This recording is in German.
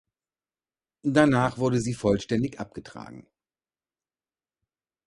Danach wurde sie vollständig abgetragen.